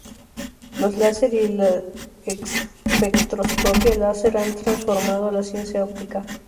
Los láser y el la espectroscopia láser han transformado la ciencia óptica.